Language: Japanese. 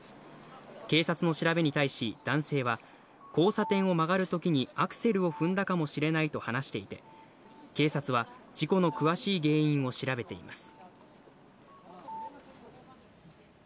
警察の調べに対し男性は、交差点を曲がるときにアクセルを踏んだかもしれないと話していて、警察は事故の詳しい原因を調べています。